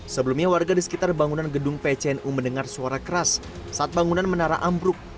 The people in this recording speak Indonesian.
sebelumnya warga di sekitar bangunan gedung pcnu mendengar suara keras saat bangunan menara ambruk